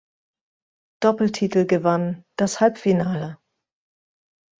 Doppeltitel gewann, das Halbfinale.